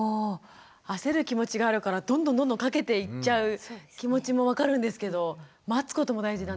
焦る気持ちがあるからどんどんかけていっちゃう気持ちも分かるんですけど待つことも大事なんですね。